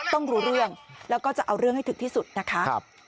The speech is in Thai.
รู้เรื่องแล้วก็จะเอาเรื่องให้ถึงที่สุดนะคะ